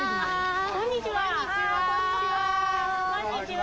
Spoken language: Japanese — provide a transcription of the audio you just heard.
あこんにちは。